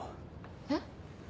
えっ？